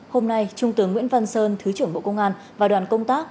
hôm nay trung tướng nguyễn văn sơn thứ trưởng bộ công an và đoàn công tác